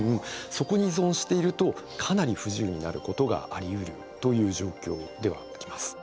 そこに依存しているとかなり不自由になることがありうるという状況ではあります。